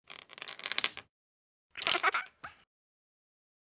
アハハハ。